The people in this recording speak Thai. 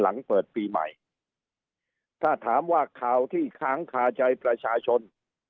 หลังเปิดปีใหม่ถ้าถามว่าข่าวที่ค้างคาใจประชาชน